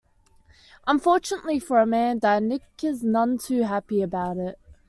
Unfortunately for Amanda, Nick is none too happy about it.